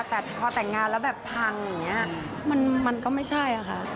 แต่พอแต่งงานแล้วแบบพังอย่างนี้มันก็ไม่ใช่ค่ะ